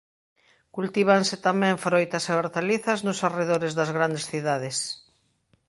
Cultívanse tamén froitas e hortalizas nos arredores das grandes cidades.